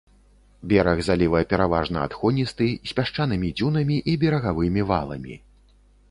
Бераг заліва пераважна адхоністы з пясчанымі дзюнамі і берагавымі валамі.